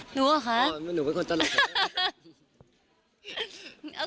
หนูเหรอคะหนูเป็นคนตลกเหมือนกัน